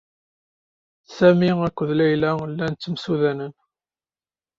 Sami akked Layla llan ttemsudanen.